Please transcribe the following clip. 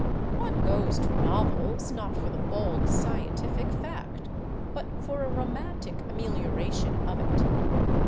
One goes to novels, not for the bald scientific fact, but for a romantic amelioration of it.